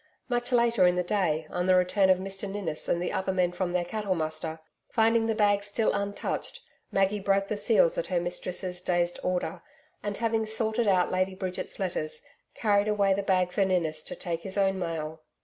Much later in the day, on the return of Mr Ninnis and the other men from their cattle muster, finding the bag still untouched, Maggie broke the seals at her mistress' dazed order, and having sorted out Lady Bridget's letters, carried away the bag for Ninnis to take his own mail.